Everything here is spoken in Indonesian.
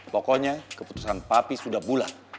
pokoknya keputusan papi sudah bulat